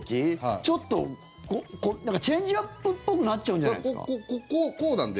ちょっと、チェンジアップっぽくなっちゃうんじゃないですか？